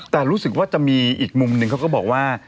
แต่รู้สึกว่าจะมีอีกมุมหนึ่งเขาก็บอกว่า